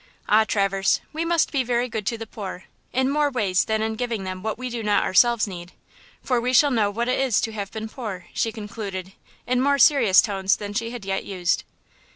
Ah, Traverse, we must be very good to the poor, in more ways than in giving them what we do not ourselves need, for we shall know what it is to have been poor," she concluded, in more serious tones than she had yet used.